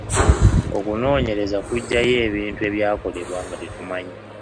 Okunoonyereza kuggyayo ebintu ebyakolebwa nga tetumanyi.